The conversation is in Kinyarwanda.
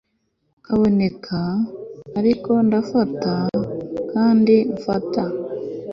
kuboneka. ariko ndafata. kandi fata